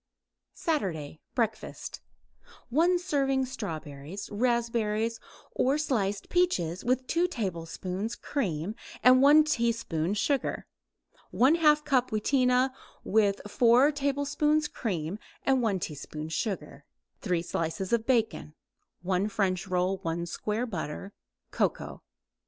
SATURDAY BREAKFAST 1 serving strawberries, raspberries or sliced peaches with 2 tablespoons cream and 1 teaspoon sugar; 1/2 cup wheatena with 4 tablespoons cream and 1 teaspoon sugar; 3 slices bacon; 1 French roll; 1 square butter; cocoa.